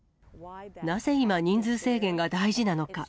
なぜ今、人数制限が大事なのか。